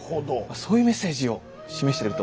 そういうメッセージを示してると思います。